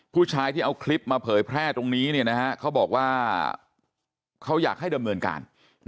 ผู้ชายที่เอาคลิปมาเผยแพร่ตรงนี้เขาบอกว่าเขาอยากให้ดำเนินการ